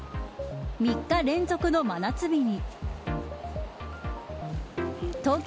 ３日連続の真夏日に。